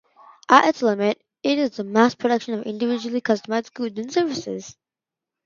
At its limit, it is the mass production of individually customized goods and services.